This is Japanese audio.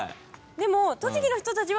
でも。